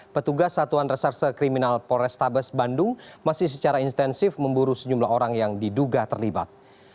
petugas satuan reserse kriminal polrestabes bandung masih secara intensif memburu sejumlah orang yang diduga terlibat